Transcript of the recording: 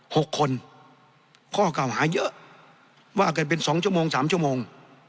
หกคนข้อเก่าหาเยอะว่ากันเป็นสองชั่วโมงสามชั่วโมง